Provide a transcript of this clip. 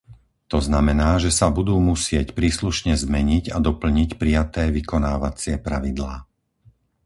To znamená, že sa budú musieť príslušne zmeniť a doplniť prijaté vykonávacie pravidlá.